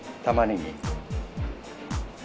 たまねぎ。